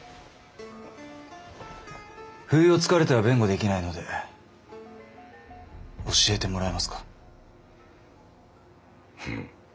不意を突かれては弁護できないので教えてもらえますか。